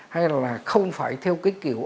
hay là không phải theo kiểu